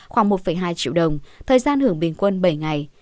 khoảng một hai triệu đồng thời gian hưởng bình quân bảy ngày